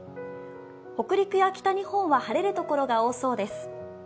北陸や北日本は晴れる所が多そうです。